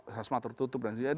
iya khasmatur tutup dan sebagainya